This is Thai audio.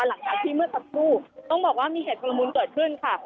หลังจากที่เมื่อสักครู่ต้องบอกว่ามีเหตุชุลมุนเกิดขึ้นค่ะ